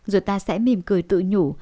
rồi ta sẽ mìm cười tự nhủ